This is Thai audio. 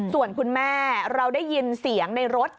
ส่วนคุณแม่เราได้ยินเสียงในรถ